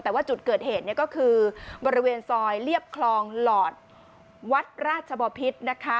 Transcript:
แต่ว่าจุดเกิดเหตุก็คือบริเวณซอยเรียบคลองหลอดวัดราชบพิษนะคะ